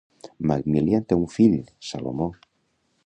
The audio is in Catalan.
McMillan té un fill, Salomó.